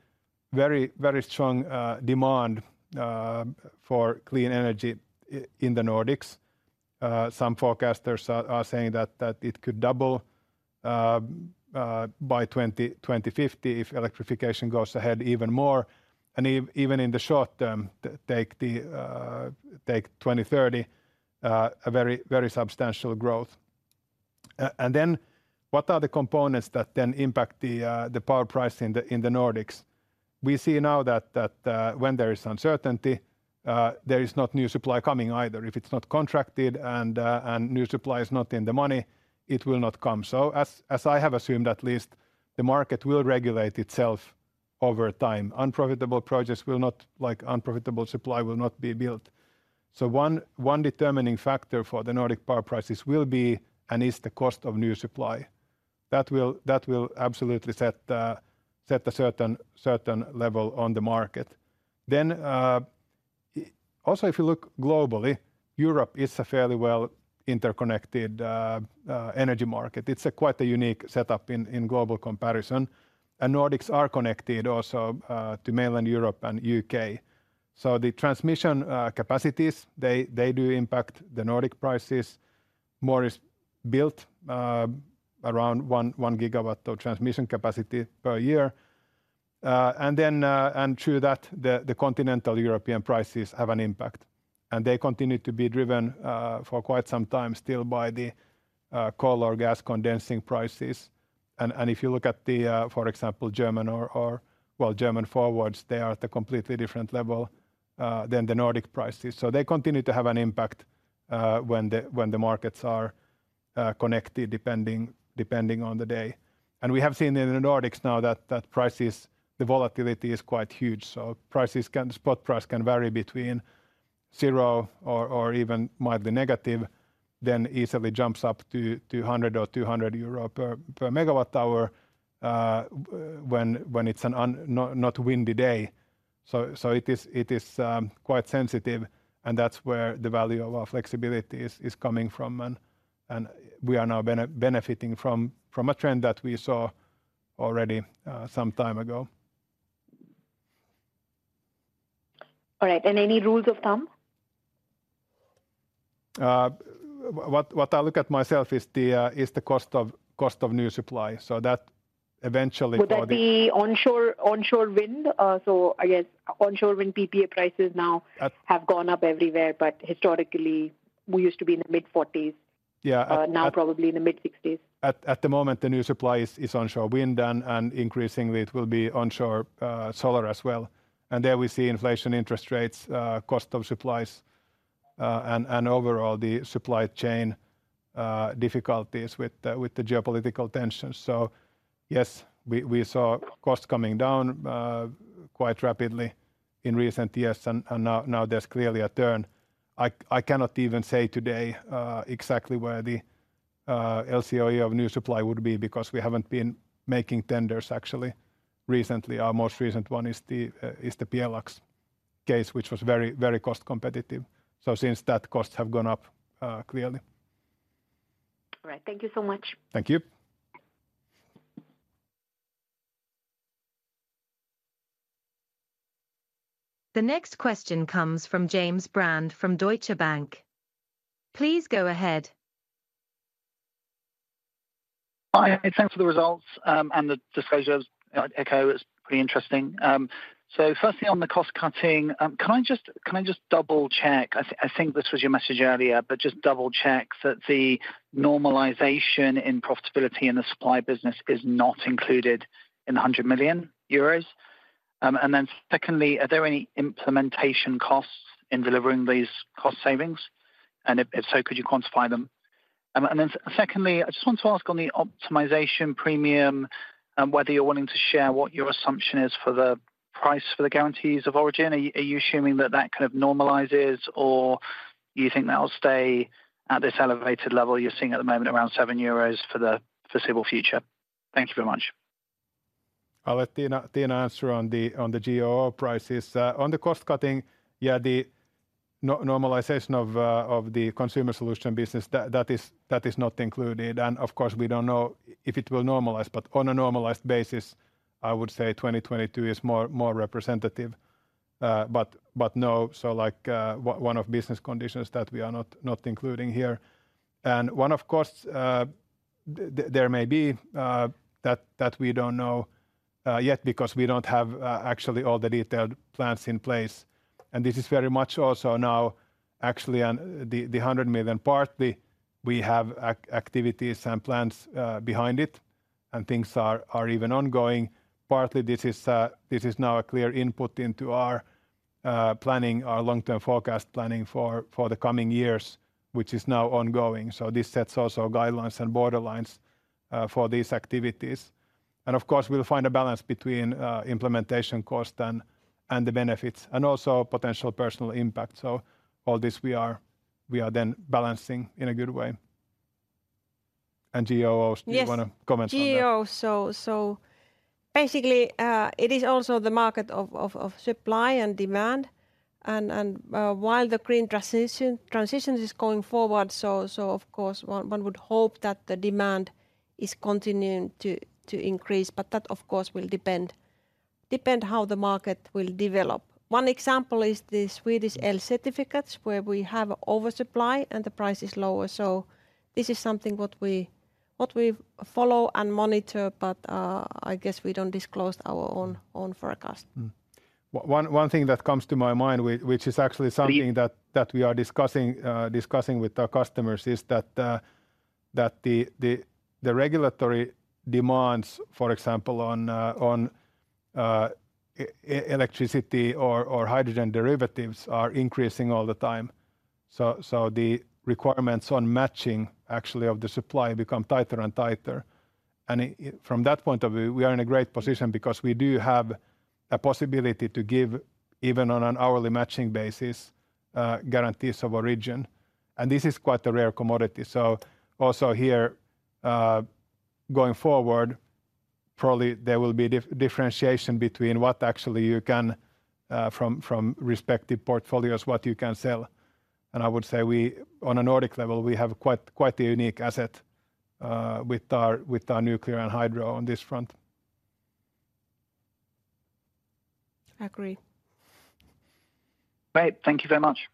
very, very strong demand for clean energy in the Nordics. Some forecasters are saying that it could double by 2050 if electrification goes ahead even more, and even in the short term, take 2030, a very, very substantial growth. And then, what are the components that then impact the power price in the Nordics? We see now that when there is uncertainty, there is not new supply coming either. If it's not contracted and new supply is not in the money, it will not come. So as I have assumed, at least, the market will regulate itself over time. Unprofitable projects will not, like unprofitable supply, will not be built. So one determining factor for the Nordic power prices will be, and is the cost of new supply. That will absolutely set a certain level on the market. Then also, if you look globally, Europe is a fairly well interconnected energy market. It's quite a unique setup in global comparison, and Nordics are connected also to mainland Europe and U.K. So the transmission capacities they do impact the Nordic prices. More is built around 1 gigawatt of transmission capacity per year. And then, through that, the continental European prices have an impact, and they continue to be driven for quite some time still by the coal or gas condensing prices. And if you look at, for example, German or, well, German forwards, they are at a completely different level than the Nordic prices. So they continue to have an impact when the markets are connected, depending on the day. And we have seen in the Nordics now that prices, the volatility is quite huge. So spot prices can vary between zero or even mildly negative, then easily jumps up to 200 euro per megawatt hour, when it's a not windy day. So it is quite sensitive, and that's where the value of our flexibility is coming from. And we are now benefiting from a trend that we saw already some time ago. All right. And any rules of thumb? What I look at myself is the cost of new supply. So that eventually for the- Would that be onshore, onshore wind? So I guess onshore wind PPA prices now- Uh have gone up everywhere, but historically, we used to be in the mid-forties. Yeah, at- Now, probably in the mid-60s. At the moment, the new supply is onshore wind, and increasingly it will be onshore solar as well. And there we see inflation, interest rates, cost of supplies, and overall, the supply chain difficulties with the geopolitical tensions. So yes, we saw costs coming down quite rapidly in recent years, and now there's clearly a turn. I cannot even say today exactly where the LCOE of new supply would be, because we haven't been making tenders actually recently. Our most recent one is the Pjelax case, which was very, very cost competitive. So since that, costs have gone up clearly. All right. Thank you so much. Thank you. The next question comes from James Brand, from Deutsche Bank. Please go ahead. Hi, thanks for the results, and the disclosures. I echo, it's pretty interesting. So firstly, on the cost cutting, can I just, can I just double-check? I think this was your message earlier, but just double-check that the normalization in profitability in the supply business is not included in the 100 million euros. And then secondly, are there any implementation costs in delivering these cost savings? And if so, could you quantify them? And then secondly, I just want to ask on the optimization premium, whether you're wanting to share what your assumption is for the price for the Guarantees of Origin. Are you assuming that that kind of normalizes, or you think that will stay at this elevated level you're seeing at the moment, around 7 euros for the foreseeable future? Thank you very much. I'll let Tiina answer on the, on the GOO prices. On the cost cutting, yeah, the normalization of the Consumer Solutions business, that is not included. And of course, we don't know if it will normalize, but on a normalized basis, I would say 2022 is more representative. But no, so like, one of business conditions that we are not including here. And one of costs, there may be that we don't know yet because we don't have actually all the detailed plans in place. And this is very much also now actually the 100 million, partly we have activities and plans behind it, and things are even ongoing. Partly this is now a clear input into our planning, our long-term forecast planning for the coming years, which is now ongoing. So this sets also guidelines and borderlines for these activities. And of course, we'll find a balance between implementation cost and the benefits, and also potential personal impact. So all this we are then balancing in a good way. And GOOs- Yes... do you wanna comment on that? GOOs, so basically, it is also the market of supply and demand, and while the green transition is going forward, so of course, one would hope that the demand is continuing to increase, but that, of course, will depend how the market will develop. One example is the Swedish el certificates, where we have oversupply and the price is lower. So this is something what we follow and monitor, but I guess we don't disclose our own forecast. One thing that comes to my mind, which is actually something- Agreed... that we are discussing with our customers is that the regulatory demands, for example, on electricity or hydrogen derivatives, are increasing all the time. So the requirements on matching actually of the supply become tighter and tighter. And from that point of view, we are in a great position because we do have a possibility to give, even on an hourly matching basis, Guarantees of Origin, and this is quite a rare commodity. So also here, going forward, probably there will be differentiation between what actually you can from respective portfolios what you can sell. And I would say we on a Nordic level have quite a unique asset with our nuclear and hydro on this front. Agree. Great. Thank you very much.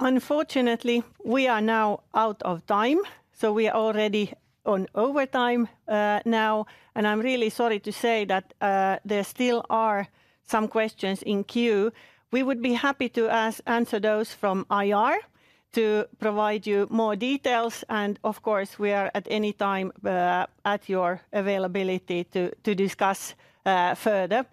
Unfortunately, we are now out of time, so we are already on overtime now, and I'm really sorry to say that there still are some questions in queue. We would be happy to answer those from IR to provide you more details, and of course, we are at any time at your availability to discuss further.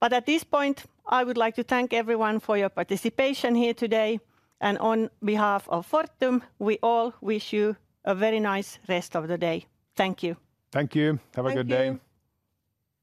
But at this point, I would like to thank everyone for your participation here today, and on behalf of Fortum, we all wish you a very nice rest of the day. Thank you. Thank you. Have a good day.